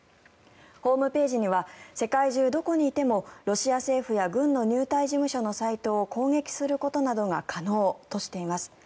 ホームページには世界中どこにいてもロシア政府や軍の入隊事務所のサイトを攻撃することなどが可能だとしています。